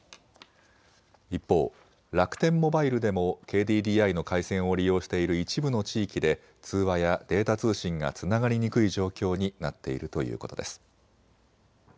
一方、楽天モバイルでもＫＤＤＩの回線を利用している一部の地域で通話やデータ通信がつながりにくい状況になっているということです。